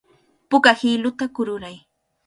Puka hiluta kururay.